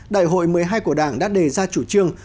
đại hội một mươi hai của đảng đã đề ra chủ trương